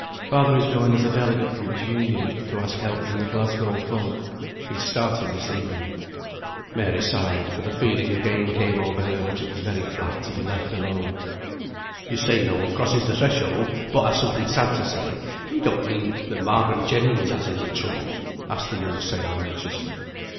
Father is going as a delegate from his Union, to ask help from the Glasgow folk. He's starting this evening." Mary sighed, for the feeling again came over her that it was very flat to be left alone. "You say no one crosses the threshold but has something sad to say; you don't mean that Margaret Jennings has any trouble?" asked the young sailor, anxiously.